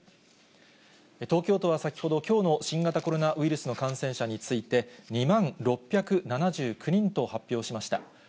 東京都は先ほど、きょうの新型コロナウイルスの感染者について、２万６７９人と発表しました。